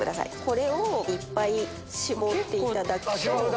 これをいっぱい絞っていただくと。